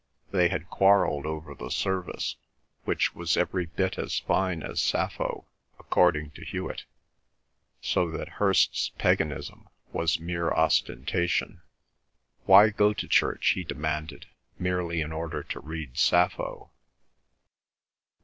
They had quarrelled over the service, which was every bit as fine as Sappho, according to Hewet; so that Hirst's paganism was mere ostentation. Why go to church, he demanded, merely in order to read Sappho?